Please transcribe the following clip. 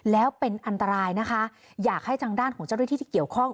แล้วเป็นอันตรายนะคะอยากให้ทางด้านของเจ้าหน้าที่ที่เกี่ยวข้อง